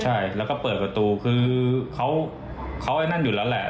ใช่แล้วก็เปิดประตูคือเขาไอ้นั่นอยู่แล้วแหละ